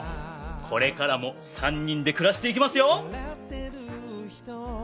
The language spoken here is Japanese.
これからも３人で暮らしていけますよ！